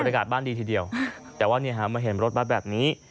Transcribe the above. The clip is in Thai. บริการบ้านดีทีเดียวแต่ว่าเนี่ยฮะมาเห็นรถบ้านแบบนี้